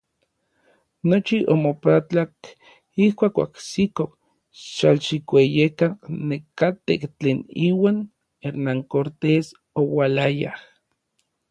Nochi omopatlak ijkuak oajsikoj Xalxikueyekan nekatej tlen iuan Hernán Cortés oualayaj.